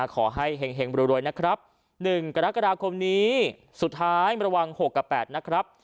ขอให้เห็งรวยนะครับ๑กรกฎาคมนี้สุดท้ายระวัง๖กับ๘นะครับ